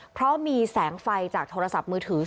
เพราะมีแสงไฟจากโทรศัพท์มือถือ